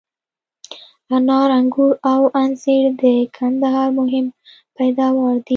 انار، آنګور او انځر د کندهار مهم پیداوار دي.